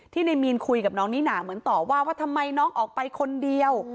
ในมีนคุยกับน้องนิน่าเหมือนตอบว่าว่าทำไมน้องออกไปคนเดียว